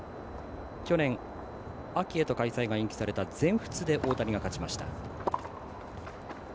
去年、秋へと開催が延期された全仏で大谷が勝ちました。